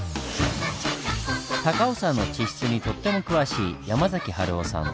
高尾山の地質にとっても詳しい山崎晴雄さん。